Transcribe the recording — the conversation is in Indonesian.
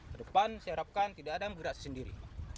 terdepan saya harapkan tidak ada yang bergerak sendiri